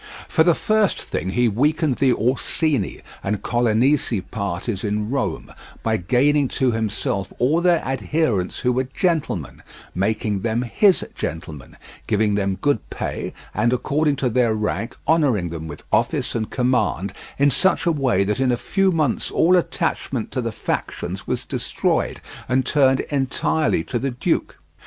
For the first thing he weakened the Orsini and Colonnesi parties in Rome, by gaining to himself all their adherents who were gentlemen, making them his gentlemen, giving them good pay, and, according to their rank, honouring them with office and command in such a way that in a few months all attachment to the factions was destroyed and turned entirely to the duke.